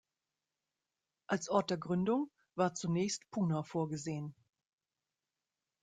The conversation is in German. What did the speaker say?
Als Ort der Gründung war zunächst Poona vorgesehen.